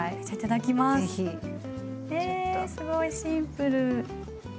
えすごいシンプル！